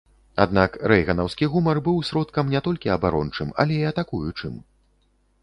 Аднак рэйганаўскі гумар быў сродкам не толькі абарончым, але і атакуючым.